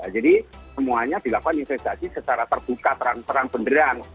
jadi semuanya dilakukan secara terbuka terang terang beneran